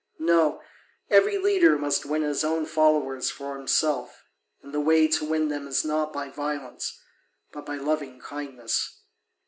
No, every leader must win his own followers for himself, and the way to win them is not by violence but by loving kindness.